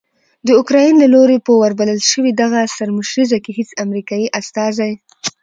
داوکرایین له لوري په وربلل شوې دغه سرمشریزه کې هیڅ امریکایي استازی